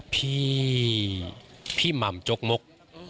พี่พี่หม่ำจกมก